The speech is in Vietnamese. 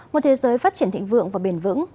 một thế giới phát triển thịnh vượng và bền vững